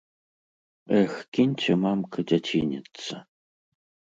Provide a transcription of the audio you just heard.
Эх, кіньце, мамка, дзяцініцца!